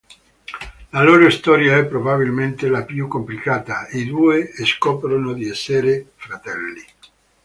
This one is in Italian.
La loro storia è probabilmente la più complicata: i due scoprono di essere fratelli.